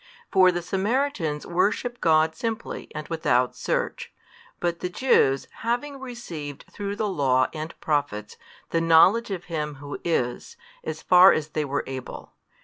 For the Samaritans worship God simply and without search, but the Jews having received through the Law and Prophets the knowledge of Him Who is, as far as they were able.